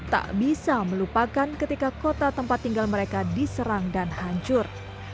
tak bisa melupakan ketika kota tempat tinggal mereka diserang dan hancur